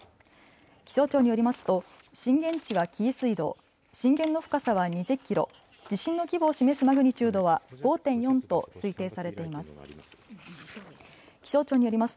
気象庁によりますと震源地は紀伊水道、震源の深さは２０キロ、地震の規模を示すマグニチュードは５．４と推定されています。